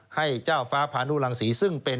ให้เจ้าฟ้าพานุรังศรีซึ่งเป็น